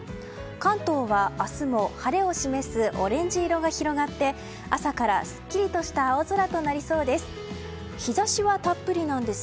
関東は明日も晴れを示すオレンジ色が広がって朝からすっきりとした青空となりそうです。